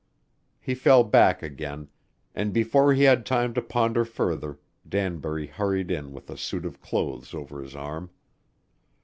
He fell back again, and before he had time to ponder further Danbury hurried in with a suit of clothes over his arm.